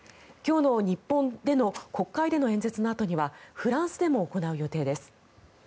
今日の日本の国会での演説のあとにはフランスでも行う予定です。